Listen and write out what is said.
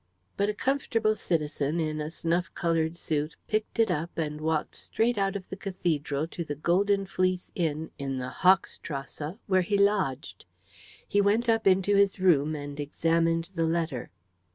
But a comfortable citizen in a snuff coloured suit picked it up and walked straight out of the cathedral to the Golden Fleece Inn in the Hochstrasse, where he lodged. He went up into his room and examined the letter.